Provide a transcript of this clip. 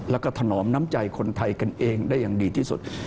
แล้วก็ถนอมน้ำใจคนไทยกันเองได้อย่างดีที่สุด